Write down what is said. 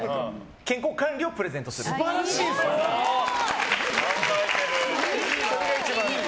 健康管理をプレゼントするっていう。